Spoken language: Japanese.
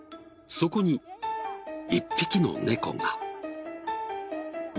そこに１匹の猫が。